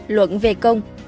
luận về công